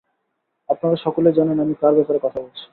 আপনারা সকলেই জানেন আমি কার ব্যাপারে কথা বলছি।